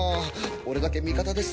俺だけ味方です